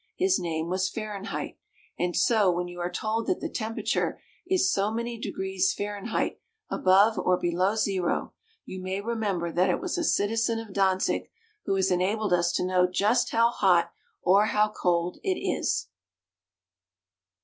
His name was Fahrenheit; and so when you are told that the temperature is so many degrees Fahrenheit above or below zero, you may remember that it was a citi zen of Danzig who has enabled us to know just how hot or how cold it is.